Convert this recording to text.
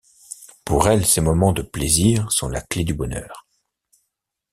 Pour elle, ces moments de plaisir sont la clé du bonheur.